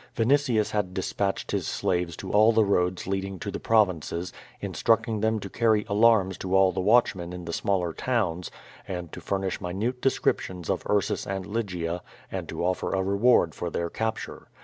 Vinitius had dispatched his slaves to all the roads leading to the Prov inces, instructing them to carry allarms to all the watchmen in the smaller towns, and to furnish minute descriptions of Ursus and Lygia and to offer a reward for their capture.